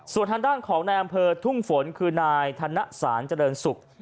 ส่วนทางด้านของนายอำเภอทุ่งฝนคือนายธนสารเจริญศุกร์